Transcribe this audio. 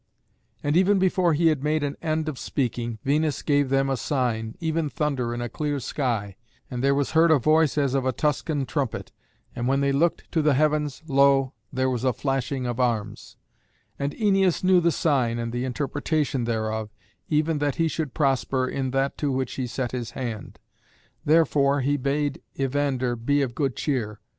And even before he had made an end of speaking, Venus gave them a sign, even thunder in a clear sky; and there was heard a voice as of a Tuscan trumpet, and when they looked to the heavens, lo! there was a flashing of arms. And Æneas knew the sign and the intepretation thereof, even that he should prosper in that to which he set his hand. Therefore he bade Evander be of good cheer.